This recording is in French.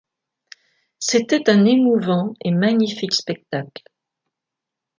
C’était un émouvant et magnifique spectacle.